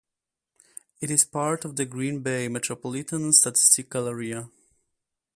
It is part of the Green Bay Metropolitan Statistical Area.